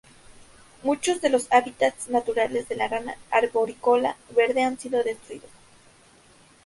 Muchos de los hábitats naturales de la rana arborícola verde han sido destruidos.